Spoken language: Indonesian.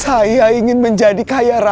saya ingin menjadi kaya raya